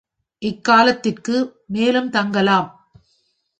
இக்காலத்திற்கு மேலும் தங்கலாம்.